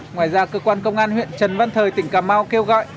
ngoài ra cơ quan công an huyện trần văn thời tỉnh cà mau kêu gọi